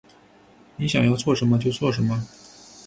你想要做什么？就做什么